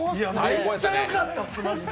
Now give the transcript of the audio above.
めっちゃよかった、マジで。